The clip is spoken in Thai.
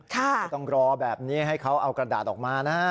ก็ต้องรอแบบนี้ให้เขาเอากระดาษออกมานะฮะ